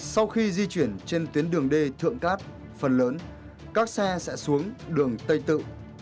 sau khi di chuyển trên tuyến đường d thượng cát phần lớn các xe sẽ xuống đường tây tự